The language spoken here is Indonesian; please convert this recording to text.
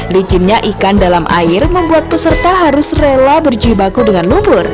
licinnya ikan dalam air membuat peserta harus rela berjibaku dengan lubur